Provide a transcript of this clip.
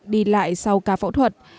đi lại sau ca phẫu thuật